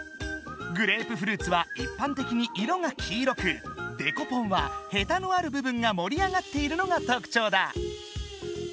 グレープフルーツはいっぱんてきに色が黄色くデコポンはヘタのある部分がもり上がっているのが特ちょうだ！